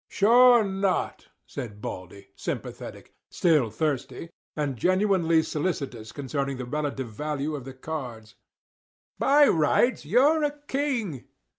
"Sure not," said Baldy, sympathetic, still thirsty, and genuinely solicitous concerning the relative value of the cards. "By rights you're a king.